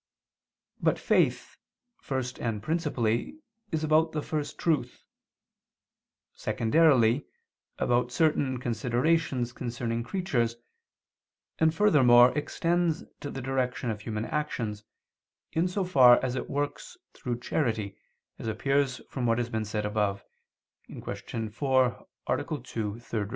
But faith, first and principally, is about the First Truth, secondarily, about certain considerations concerning creatures, and furthermore extends to the direction of human actions, in so far as it works through charity, as appears from what has been said above (Q. 4, A. 2, ad 3).